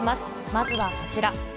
まずはこちら。